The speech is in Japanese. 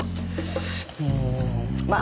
うーんまあ